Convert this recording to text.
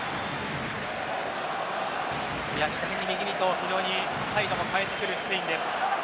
左に右にと非常にサイドも変えてくるスペインです。